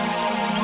sekarang ini castro